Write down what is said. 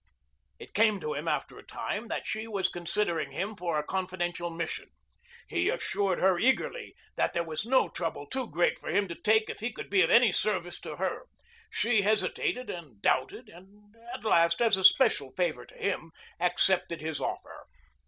It came to him after a time that she was considering him for a confidential mission. He assured her eagerly that there was no trouble too great for him to take if he could be of any service to her. She hesitated and doubted and at last as a special favor to him accepted his offer.